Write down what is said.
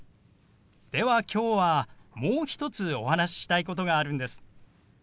ではきょうはもう一つお話ししたいことがあるんです。